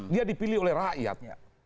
dia dipilih oleh rakyat